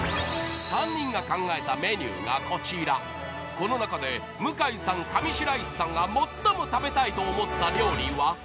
［この中で向井さん上白石さんが最も食べたいと思った料理は？］